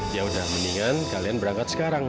ya sudah mendingan kalian berangkat sekarang